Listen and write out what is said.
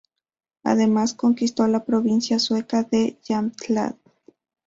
Además conquistó la provincia sueca de Jämtland.